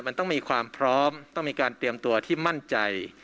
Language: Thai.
มันต้องมีความพร้อมต้องมีการเตรียมตัวที่มั่นใจ